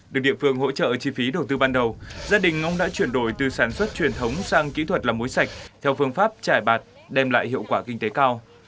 được địa phương hỗ trợ chi phí đầu tư ban đầu gia đình ông đã chuyển đổi từ sản xuất truyền thống sang kỹ thuật làm mối sạch theo phương pháp trải bạt đem lại hiệu quả kinh tế cao